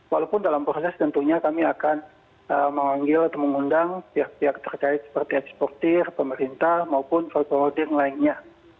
walaupun dalam proses tentunya kami akan memanggil atau mengundang pihak pihak terkait seperti eksportir pemerintah maupun folkeholder lainnya